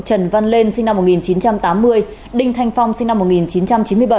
trần văn lên sinh năm một nghìn chín trăm tám mươi đinh thanh phong sinh năm một nghìn chín trăm chín mươi bảy